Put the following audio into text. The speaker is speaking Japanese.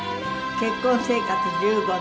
結婚生活１５年。